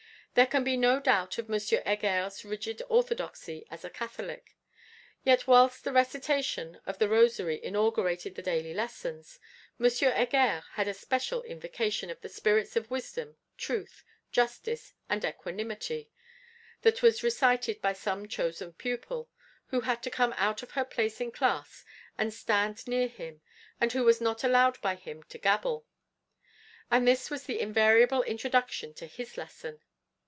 There can be no doubt of M. Heger's rigid orthodoxy as a Catholic. Yet whilst the recitation of the Rosary inaugurated the daily lessons, M, Heger had a special invocation of 'the Spirits of Wisdom, Truth, Justice, and Equanimity,' that was recited by some chosen pupil; who had to come out of her place in class and stand near him; and who was not allowed by him to gabble. And this was the invariable introduction to his lesson.